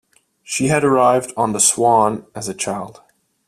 She had arrived on The Swan as a child.